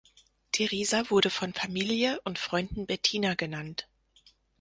Teresa wurde von Familie und Freunden Bettina genannt.